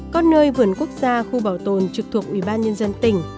có nơi vườn quốc gia khu bảo tồn trực thuộc ủy ban nhân dân tỉnh